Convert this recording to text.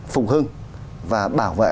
phùng hưng và bảo vệ